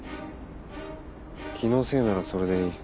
気のせいならそれでいい。